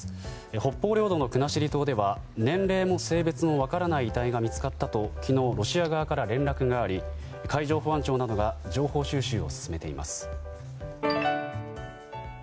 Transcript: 北方領土の国後島では年齢も性別も分からない遺体が見つかったと昨日、ロシア側から連絡があり海上保安庁などが情報収集を進めています。